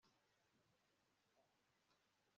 Ninjye wagiyeyo ejo